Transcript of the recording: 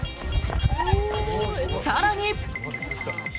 さらに。